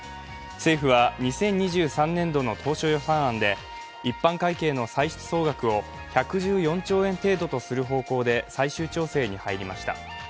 政府は２０２３年度の当初予算案で一般会計の歳出総額を１１４兆円程度とする方向で最終調整に入りました。